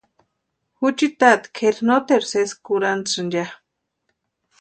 Juchiti tata kʼeri noteru sési kurhantisïnit ya.